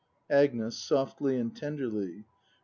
Agnes. [Softly and tenderly.